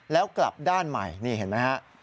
แล้วกลับด้านใหม่นี่เห็นไหมฮะ